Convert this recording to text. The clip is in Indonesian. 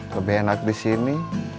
lebih enak di sini